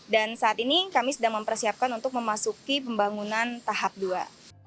dan saat ini kami sudah mempersiapkan untuk memasuki pembangunan tahap dua